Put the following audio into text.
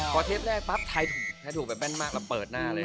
พอเทปแรกปั๊บถ่ายถูกไปแป้นมากแล้วเปิดหน้าเลย